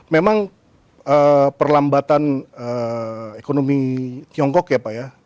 memang perlambatan ekonomi tiongkok ya pak ya